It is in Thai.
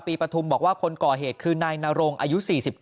ปฐุมบอกว่าคนก่อเหตุคือนายนรงอายุ๔๙